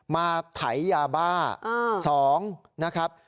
๑มาไถยาบ้า